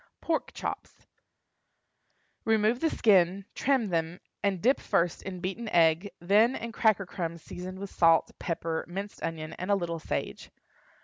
PORK CHOPS. Remove the skin, trim them, and dip first in beaten egg, then in cracker crumbs seasoned with salt, pepper, minced onion, and a little sage.